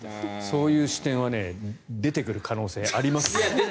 そういう視点は出てくる可能性あります。